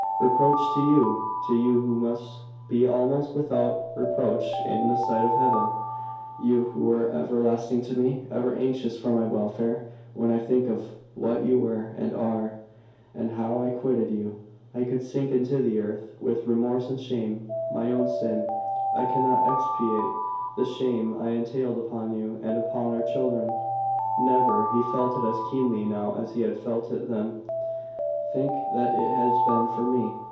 "Reproach to you! To you, who must be almost without reproach in the sight of Heaven! You, who were everlasting to me ever anxious for my welfare! When I think of what you were, and are, and how I quitted you, I could sink into the earth with remorse and shame. My own sin, I have surely expiated; I cannot expiate the shame I entailed upon you, and upon our children." Never. He felt it as keenly now as he had felt it then. "Think what it has been for me!"